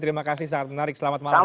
terima kasih sangat menarik selamat malam